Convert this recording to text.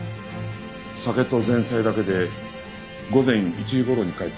酒と前菜だけで午前１時頃に帰ったらしい。